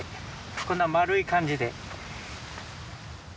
こんな丸い感じで。